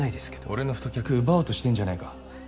俺の太客奪おうとしてんじゃねぇか。